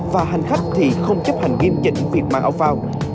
và hành khách thì không chấp hành nghiêm trịnh việc mang áo pha